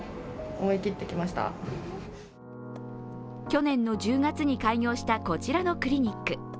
去年の１０月に開業したこちらのクリニック。